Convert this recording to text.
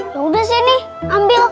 sudah neng ambil